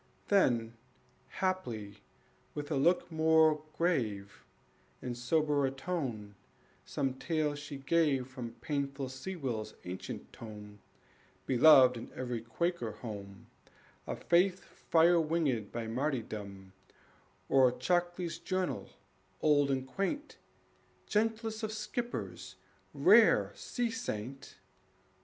Then, haply, with a look more grave, And soberer tone, some tale she gave From painful Sewell's ancient tome, Beloved in every Quaker home, Of faith fire winged by martyrdom, Or Chalkley's Journal, old and quaint, Gentlest of skippers, rare sea saint!